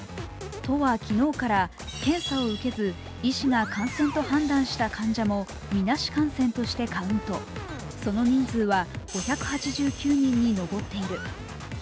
都は昨日から検査を受けず医師が感染と判断した患者もみなし感染としてカウント、その人数は５８９人に上っている。